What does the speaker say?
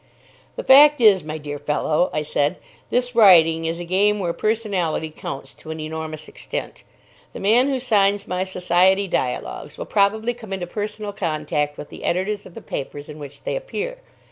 "The fact is, my dear fellow," I said, "this writing is a game where personality counts to an enormous extent. The man who signs my Society dialogues will probably come into personal contact with the editors of the papers in which they appear.